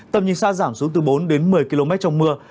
tầm nhìn xa giảm xuống từ bốn đến một mươi km trong mưa